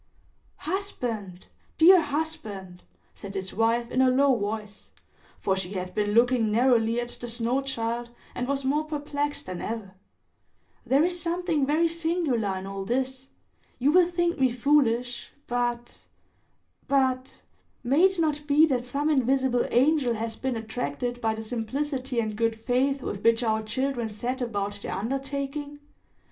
"Husband! dear husband!" said his wife, in a low voice,—for she had been looking narrowly at the snow child, and was more perplexed than ever,—"there is something very singular in all this. You will think me foolish,—but—but—may it not be that some invisible angel has been attracted by the simplicity and good faith with which our children set about their undertaking?